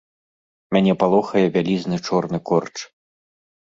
Мяне палохае вялізны чорны корч.